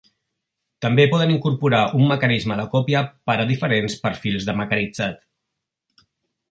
També poden incorporar un mecanisme de còpia per a diferents perfils de mecanitzat.